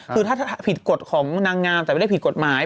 คือถ้าผิดกฎของนางงามแต่ไม่ได้ผิดกฎหมาย